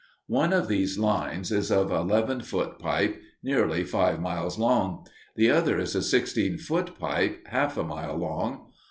One of these lines is of eleven foot pipe, nearly five miles long; the other is a sixteen foot pipe, half a mile long.